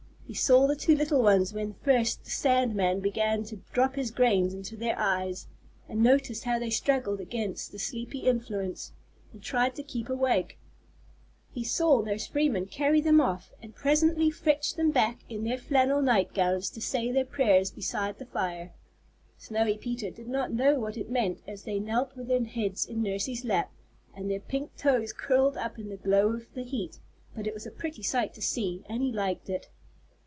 He saw the two little ones when first the sand man began to drop his grains into their eyes, and noticed how they struggled against the sleepy influence, and tried to keep awake. He saw Nurse Freeman carry them off, and presently fetch them back in their flannel nightgowns to say their prayers beside the fire. Snowy Peter did not know what it meant as they knelt with their heads in Nursey's lap, and their pink toes curled up in the glow of the heat, but it was a pretty sight to see, and he liked it.